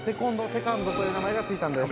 セカンドという名前がついたんです